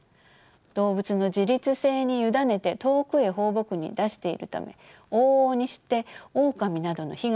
動物の自律性に委ねて遠くへ放牧に出しているため往々にしてオオカミなどの被害に遭います。